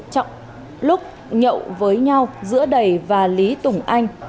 trọng lúc nhậu với nhau giữa đầy và lý tùng anh